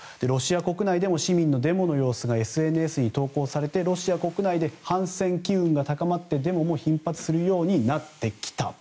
ロシア国内でも市民のデモの様子がＳＮＳに投稿されてロシア国内で反戦機運が高まってデモも頻発するようになってきた。